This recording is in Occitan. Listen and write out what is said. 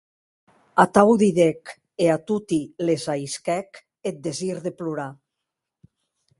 Atau didec, e a toti les ahisquèc eth desir de plorar.